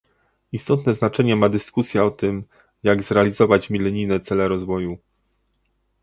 Istotne znaczenie ma dyskusja o tym, jak zrealizować milenijne cele rozwoju